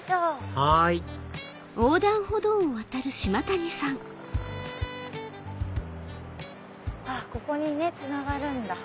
はいここにつながるんだ！